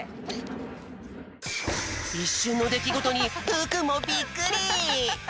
いっしゅんのできごとにふうくんもびっくり！